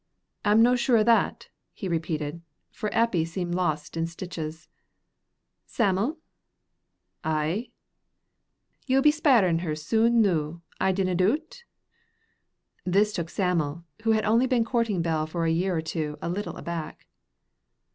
"Am no sure o' that," he repeated, for Eppie seemed lost in stitches. "Sam'l?" "Ay." "Ye'll be speirin' her sune noo, I dinna doot?" This took Sam'l, who had only been courting Bell for a year or two, a little aback.